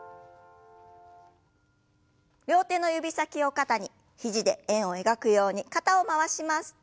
両手の指先を肩に肘で円を描くように肩を回します。